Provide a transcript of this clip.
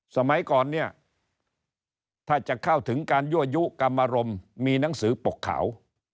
สมัยก่อนเนี่ยถ้าจะเข้าถึงการยั่วยุกรรมอารมณ์มีหนังสือปกขาว